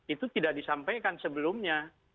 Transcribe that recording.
itu tidak disampaikan sebelumnya